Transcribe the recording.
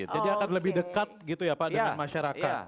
jadi akan lebih dekat gitu ya pak dengan masyarakat